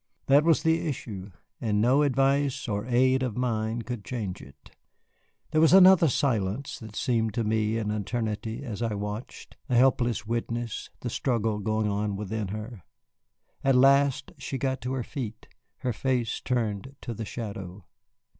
That was the issue, and no advice or aid of mine could change it. There was another silence that seemed to me an eternity as I watched, a helpless witness, the struggle going on within her. At last she got to her feet, her face turned to the shadow.